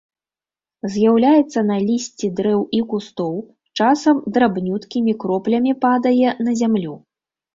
З'яўляецца на лісці дрэў і кустоў, часам драбнюткімі кроплямі падае на зямлю.